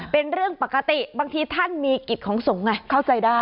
เป็นเรื่องปกติบางทีท่านมีกิจของสงฆ์ไงเข้าใจได้